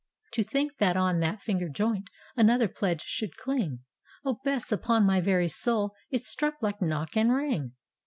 " To think that on that finger joint Another pledge should cling; O Bess I upon my veiy soul It struck like ' Knock and Ring.'